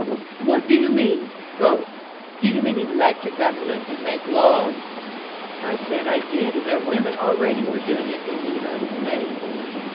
"What do you mean — ^vote? Do you mean elect a government and make laws?" I said I did and that women already were doing it in the United States.